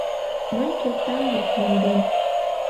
Мый кертам мо монден?